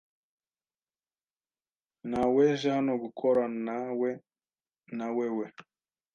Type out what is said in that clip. Naweje hano gukoranawe nawewe .